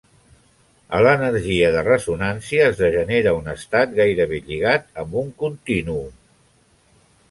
A l'energia de ressonància es degenera un estat gairebé lligat amb un contínuum.